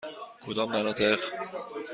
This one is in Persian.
کدام مناطق؟